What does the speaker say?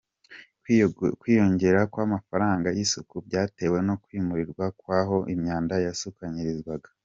Kwiyongera kw’amafaranga y’isuku byatewe no kwimurwa kw’aho imyanda yakusanyirizwaga